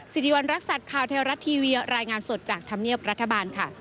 สิริวัณรักษัตริย์ข่าวเทวรัฐทีวีรายงานสดจากธรรมเนียบรัฐบาลค่ะ